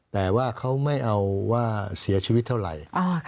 แต่ว่าเขาไม่เอาว่าเสียชีวิตเท่าไหร่